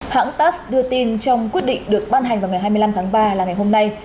hãng tass đưa tin trong quyết định được ban hành vào ngày hai mươi năm tháng ba là ngày hôm nay